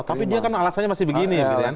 tapi dia kan alasannya masih begini